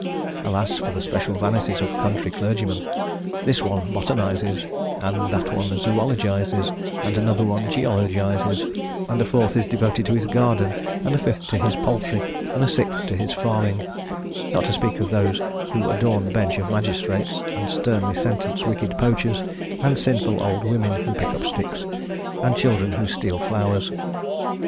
Alas for the special vanities of country clergymen; this one botanizes, and that one zoologizes, and another one geologizes, and a fourth is devoted to his garden, and a fifth to his poultry, and a sixth to his farming, not to speak of those who adorn the bench of magistrates and sternly sentence wicked poachers, and sinful old women who pick up sticks, and children who steal flowers.